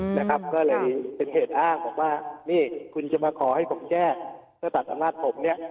นะครับก็เลยเป็นเหตุอ้างบอกว่านี่คุณจะมาขอให้ผมแยกเพื่อตัดอำนาจผมเนี่ย